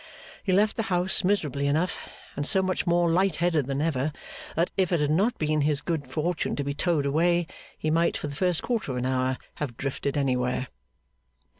He left the house miserably enough; and so much more light headed than ever, that if it had not been his good fortune to be towed away, he might, for the first quarter of an hour, have drifted anywhere.